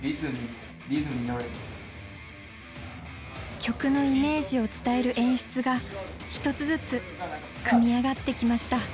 曲のイメージを伝える演出が一つずつ組み上がってきました。